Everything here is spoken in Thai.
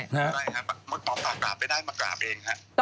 ใช่ครับเมื่อหมอปลากราบกราบไม่ได้มากราบเองครับ